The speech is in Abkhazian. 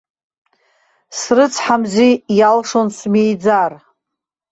Срыцҳамзи иалшон смиӡар.